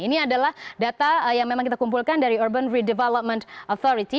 ini adalah data yang memang kita kumpulkan dari urban redevelopment authority